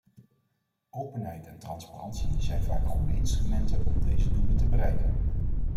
Openheid en transparantie zijn vaak goede instrumenten om deze doelen te bereiken.